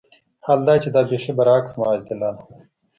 حال دا چې دا بېخي برعکس معاضله ده.